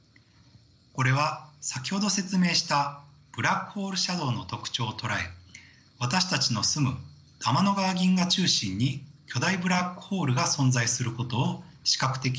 これは先ほど説明したブラックホールシャドウの特徴を捉え私たちの住む天の川銀河中心に巨大ブラックホールが存在することを視覚的に証明しています。